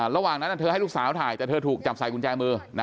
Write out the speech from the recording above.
ระหว่างนั้นเธอให้ลูกสาวถ่ายแต่เธอถูกจับใส่กุญแจมือ